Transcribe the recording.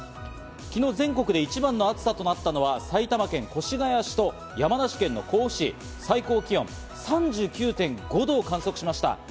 昨日、全国で一番の暑さとなったのは埼玉県越谷市と山梨県の甲府市、最高気温３９．５度を観測しました。